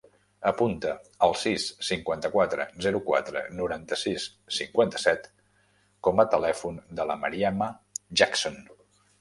Apunta el sis, cinquanta-quatre, zero, quatre, noranta-sis, cinquanta-set com a telèfon de la Mariama Jackson.